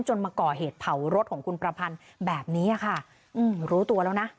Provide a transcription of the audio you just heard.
มาก่อเหตุเผารถของคุณประพันธ์แบบนี้ค่ะอืมรู้ตัวแล้วนะ